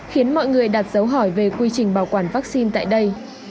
khiến mọi người đặt dấu hỏi về quy trình bảo quản vaccine tại đây